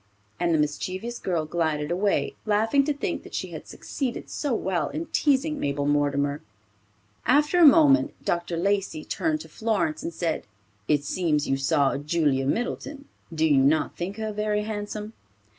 and the mischievous girl glided away, laughing to think that she had succeeded so well in teasing Mabel Mortimer. After a moment, Dr. Lacey turned to Florence and said "It seems you saw Julia Middleton. Do you not think her very handsome?"